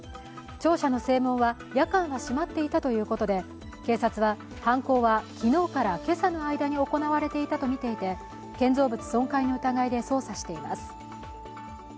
庁舎の正門は、夜間は閉まっていたということで、警察は犯行は昨日から今朝の間に行われたとみていて建造物損壊の疑いで捜査しています。